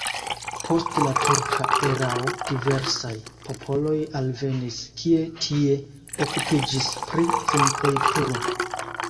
Post la turka erao diversaj popoloj alvenis, kie tie okupiĝis pri vinkulturo.